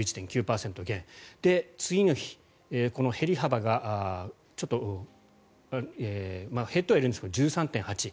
次の日、減り幅がちょっと減ってはいるんですけど１３．８％。